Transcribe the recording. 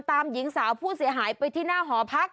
หญิงสาวผู้เสียหายไปที่หน้าหอพัก